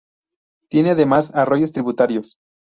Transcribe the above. Tiene además arroyos tributarios.